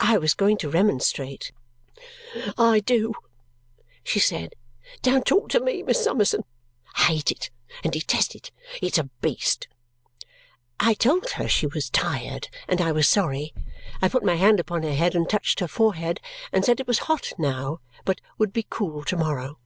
I was going to remonstrate. "I do!" she said "Don't talk to me, Miss Summerson. I hate it and detest it. It's a beast!" I told her she was tired, and I was sorry. I put my hand upon her head, and touched her forehead, and said it was hot now but would be cool to morrow.